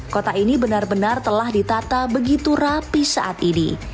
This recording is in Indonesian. kota ini benar benar telah ditata begitu rapi saat ini